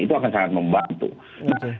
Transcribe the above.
itu akan sangat membantu nah